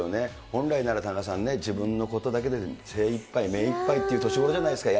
本来なら田中さんね、自分のことだけで精いっぱい、目いっぱいって年頃じゃないですか。